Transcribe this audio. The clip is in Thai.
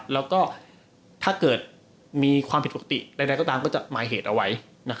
แล้วก็ถ้าเกิดมีความผิดปกติใดก็ตามก็จะมาเหตุเอาไว้